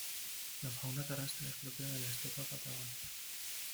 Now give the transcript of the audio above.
La fauna terrestre es propia de la estepa patagónica.